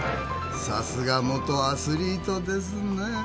さすが元アスリートですね。